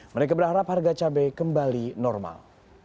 mereka berharap harga cabai kembali normal